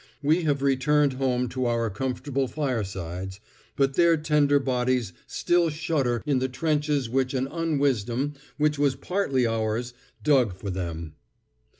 We have returned home to our comfortable firesides, but their tender bodies still shudder in the trenches which an unwisdom, which was partly ours, dug for them.